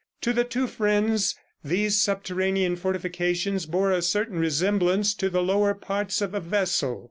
To the two friends, these subterranean fortifications bore a certain resemblance to the lower parts of a vessel.